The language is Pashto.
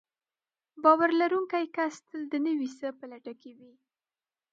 باور لرونکی کس تل د نوي څه په لټه کې وي.